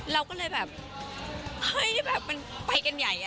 เราก็เลยแบบมันไปกันใหญ่